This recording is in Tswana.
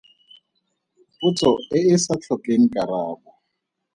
Potso e e sa tlhokeng karabo.